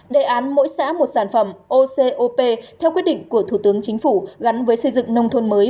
đề án mỗi xã một sản phẩm ocop theo quyết định của thủ tướng chính phủ gắn với xây dựng nông thôn mới